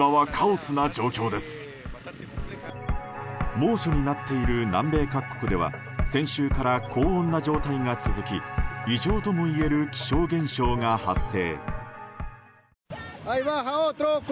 猛暑になっている南米各国では先週から高温な状態が続き異常ともいえる気象現象が発生。